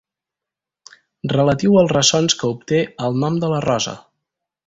Relatiu als ressons que obté “El nom de la rosa”.